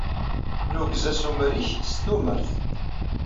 Nugez assumer-nnek s tumert.